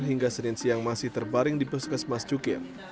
hingga senin siang masih terbaring di puskesmas cukir